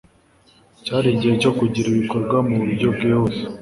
cyari igihe cyo kugira ibikorwa mu buryo bwihuse